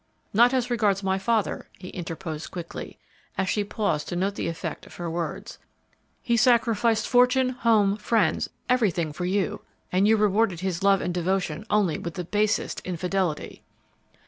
"Not as regards my father," he interposed, quickly, as she paused to note the effect of her words; "he sacrificed fortune, home, friends, everything for you, and you rewarded his love and devotion only with the basest infidelity."